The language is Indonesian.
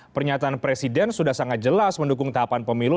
pernyataan presiden sudah sangat jelas mendukung tahapan pemilu